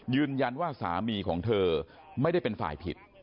ยืนยันว่าสามีของเธอไม่ได้เป็นฝ่ายผิด